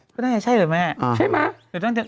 ก็น่าจะใช่เหรอแม่ใช่ไหม